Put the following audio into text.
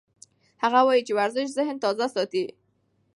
هغه وایي چې ورزش ذهن تازه ساتي.